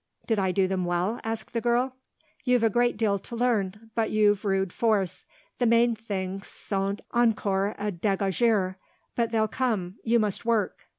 "Did I do them well?" asked the girl. "You've a great deal to learn; but you've rude force. The main things sont encore a dégager, but they'll come. You must work."